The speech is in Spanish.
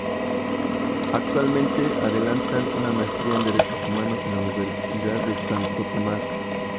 Actualmente adelanta una maestría en Derechos Humanos en la Universidad Santo Tomas.